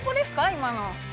今の。